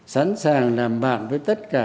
sẵn sàng làm bạn với tất cả